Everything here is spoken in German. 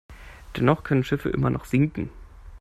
Dennoch können Schiffe immer noch sinken.